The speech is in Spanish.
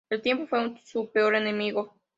El tiempo fue su peor enemigo.